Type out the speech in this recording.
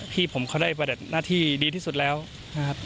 พี่ผมเขาได้ประดับหน้าที่ดีที่สุดแล้วนะครับ